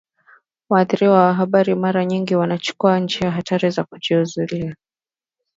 waandishi wa habari mara nyingi wanachukua njia hatari za kujizuia